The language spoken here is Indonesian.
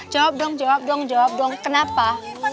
jawab dong jawab dong jawab dong kenapa